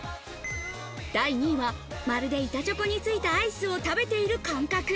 第２位はまるで板チョコについたアイスを食べている感覚。